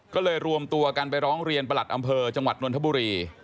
ก็เลยรวมตัวกันไปร้องเรียนประหลัดอำเภอจังหวัดนทบุรี